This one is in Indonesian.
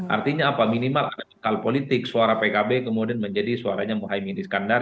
artinya apa minimal ada akal politik suara pkb kemudian menjadi suaranya muhaymin iskandar